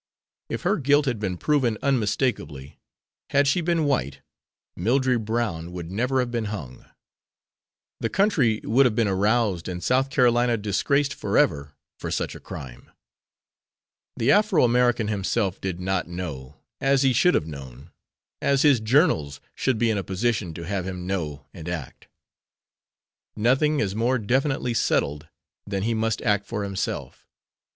If her guilt had been proven unmistakably, had she been white, Mildrey Brown would never have been hung. The country would have been aroused and South Carolina disgraced forever for such a crime. The Afro American himself did not know as he should have known as his journals should be in a position to have him know and act. Nothing is more definitely settled than he must act for himself.